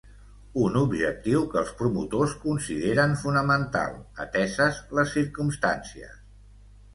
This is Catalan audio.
Un objectiu que els promotors consideren fonamental, ateses les circumstàncies.